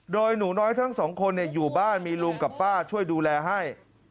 โดยหนูน้อยทั้งสองคนอยู่บ้านมีลุงกับป้าช่วยดูแลให้